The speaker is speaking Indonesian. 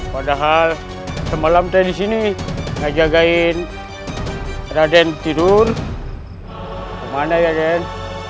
padahal semalam saya di sini menjaga den tidur di mana den